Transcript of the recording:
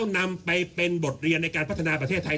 นำไปเป็นบทเรียนในการพัฒนาประเทศไทย